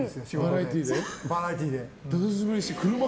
バラエティーで。